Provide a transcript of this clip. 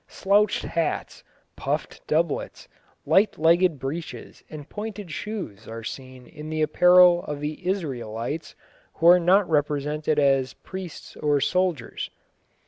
Slouched hats, puffed doublets, light legged breeches and pointed shoes are seen in the apparel of the Israelites who are not represented as priests or soldiers.